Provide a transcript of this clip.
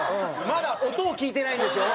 まだ音を聞いてないんですよ。